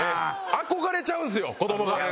憧れちゃうんですよ子どもが。